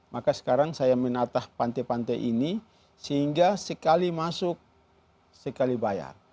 maka sekarang saya menata pante pante ini sehingga sekali masuk sekali bayar